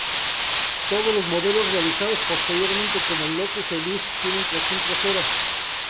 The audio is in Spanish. Todos los modelos realizados posteriormente, como el Lotus Elise, tienen tracción trasera.